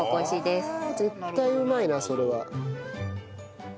絶対うまいなそれは。